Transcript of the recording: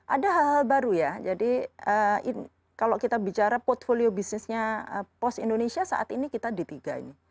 ada hal hal baru ya jadi kalau kita bicara portfolio bisnisnya pos indonesia saat ini kita di tiga ini